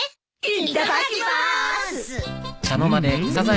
いっただきます。